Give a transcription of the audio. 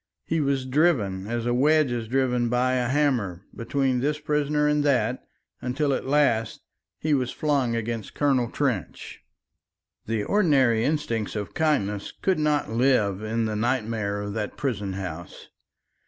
He was driven as a wedge is driven by a hammer, between this prisoner and that, until at last he was flung against Colonel Trench. The ordinary instincts of kindness could not live in the nightmare of that prison house.